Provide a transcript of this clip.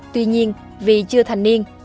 tuy nhiên vì chưa thành niên